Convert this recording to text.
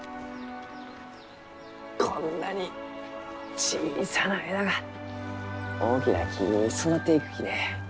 こんなに小さな枝が大きな木に育っていくきね。